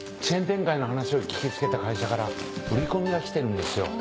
チェーン展開の話を聞き付けた会社から売り込みが来てるんですよ。